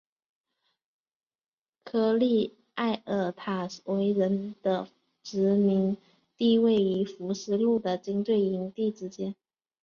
科利埃尔塔维人的殖民地位于福斯路的军队营地之间。